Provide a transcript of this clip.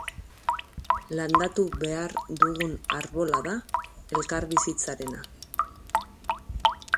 Landatu behar dugun arbola da elkarbizitzarena.